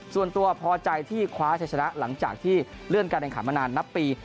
ส่วนตัวพอใจที่คว้าชัยชนะหลังจากที่เลื่อนการแข่งขันมานานนับปี